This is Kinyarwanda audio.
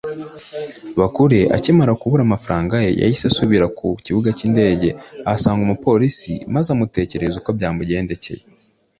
Bakure akimara kubura amafaranga ye yahise asubira ku kibuga cy’indege ahasanga umupolisi maze amutekerereza uko byamugendekeye